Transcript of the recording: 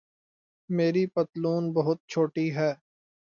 میری پتلون بہت چھوٹی ہے